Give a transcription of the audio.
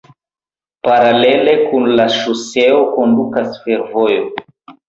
Paralele kun la ŝoseo kondukas fervojo.